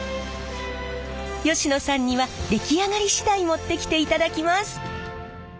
吉野さんには出来上がり次第持ってきていただきます！